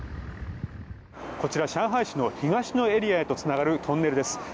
こちら、上海市の東のエリアへとつながるトンネルです。